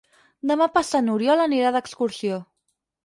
Demà passat n'Oriol anirà d'excursió.